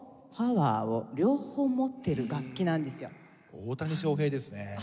大谷翔平ですね。